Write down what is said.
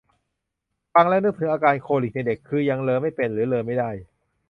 ฟังแล้วนึกถึงอาการโคลิคในเด็ก คือยังเรอไม่เป็นหรือเรอไม่ได้